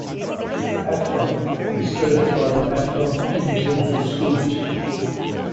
Afton is served by the Afton Independent School District.